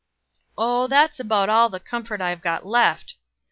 "Oh, that's about all the comfort I've got left."